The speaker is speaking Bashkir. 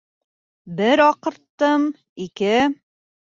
Бер аҡырттым, ике...